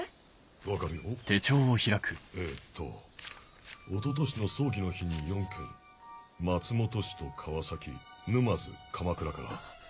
分かるよえっと一昨年の葬儀の日に４件松本市と川崎沼津鎌倉から。